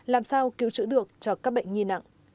làm sao cứu trữ được cho các bệnh nhi nặng